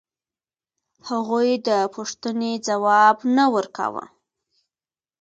هغوی د پوښتنې ځواب نه ورکاوه.